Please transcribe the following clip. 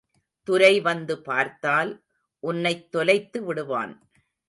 துரை வந்து பார்த்தால் உன்னைத் தொலைத்து விடுவான்.